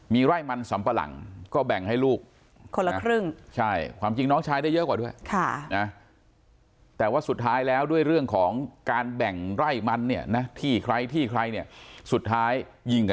มีไร่มันสำประหลังก็แบ่งให้ลูก